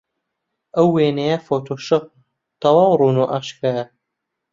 ئەو وێنەیە فۆتۆشۆپە، تەواو ڕوون و ئاشکرایە.